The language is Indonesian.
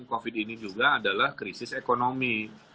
covid ini juga adalah krisis ekonomi